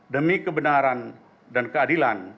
demi kebenaran dan keadilan